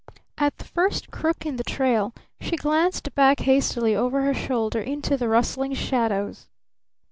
At the first crook in the trail she glanced back hastily over her shoulder into the rustling shadows.